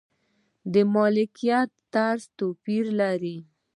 د ملکیت طرز توپیر لري.